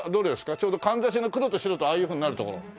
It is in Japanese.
ちょうどかんざしの黒と白とああいうふうになるところ？